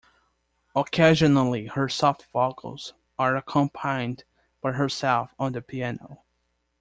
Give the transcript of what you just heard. Occasionally her soft vocals are accompanied by herself on the piano.